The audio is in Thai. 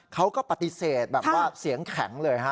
เขาก็ปฏิเสธแบบว่าเสียงแข็งเลยฮะ